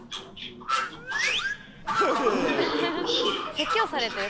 説教されてる？